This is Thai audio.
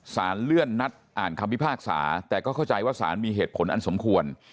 สารเลื่อนนัดอ่านคำพิพากษาแต่ก็เข้าใจว่าสารมีเหตุผลอันสมควร